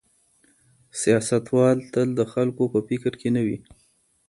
سیاستوال تل د خلکو په فکر کې نه وي.